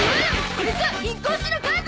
これぞインコースのカーブ！